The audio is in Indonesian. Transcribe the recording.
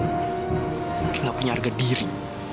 mungkin nggak punya harga diri